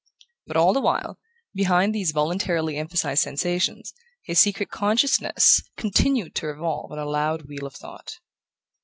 But all the while, behind these voluntarily emphasized sensations, his secret consciousness continued to revolve on a loud wheel of thought.